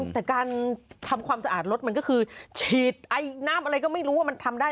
แต่การทำความสะอาดรถมันก็คือฉีดไอน้ำอะไรก็ไม่รู้ว่ามันทำได้